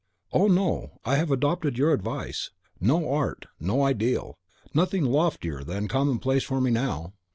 "Oh, no; I have adopted your advice. No art, no ideal, nothing loftier than Commonplace for me now.